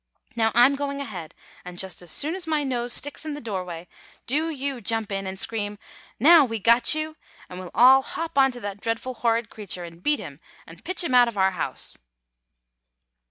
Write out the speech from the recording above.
Now, I'm going ahead; and just as soon as my nose sticks in the doorway, do you jump in and scream, "Now we got you!" and we'll all hop on to that dreadful horrid creature, and beat him, and pitch him out of our house.